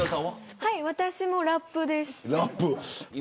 はい、私もラップです。